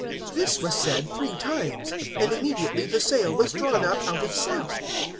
010:016 This was said three times, and immediately the sail was drawn up out of sight.